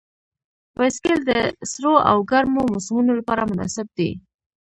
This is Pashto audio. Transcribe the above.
بایسکل د سړو او ګرمو موسمونو لپاره مناسب دی.